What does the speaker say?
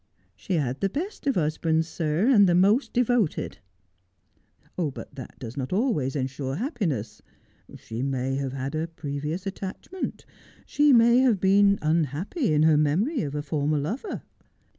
She had the best of husbands, sir, and the most devoted.' ' But that does not always ensure happiness. She may have had a previous attachment. She may have been unhappy in her memory of a former lover.'